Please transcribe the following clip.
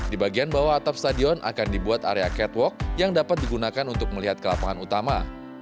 di bagian bawah atap stadion akan dibuat area catwalk yang dapat digunakan untuk melihat ke lapangan utama